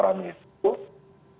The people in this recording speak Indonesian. yang cukup tiga ribu